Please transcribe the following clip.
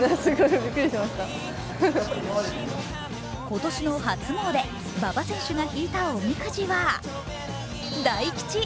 今年の初詣、馬場選手が引いたおみくじは大吉。